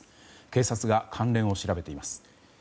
警察が関連を調べています。